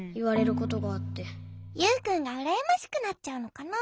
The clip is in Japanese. ユウくんがうらやましくなっちゃうのかな？